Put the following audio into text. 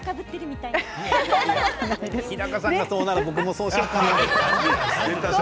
日高さんがそうなら僕もそうしようかな。